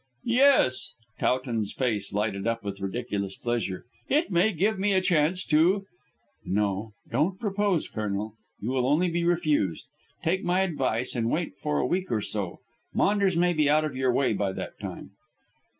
"Yes." Towton's face lighted up with ridiculous pleasure. "It may give me a chance to " "No, don't propose, Colonel. You will only be refused. Take my advice, and wait for a week or so. Maunders may be out of your way by that time!"